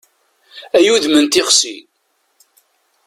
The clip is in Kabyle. Ay udem n tixsi!